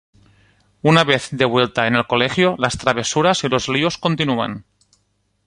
Una vez de vuelta en el colegio, las travesuras y los líos continúan.